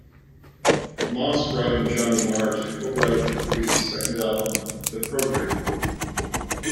Moss brought in Johnny Marr to co-write and produce second album "The Program".